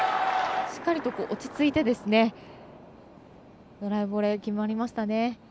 しっかりと落ち着いてドライブボレー決まりましたね。